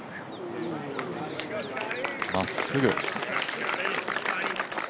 まっすぐ。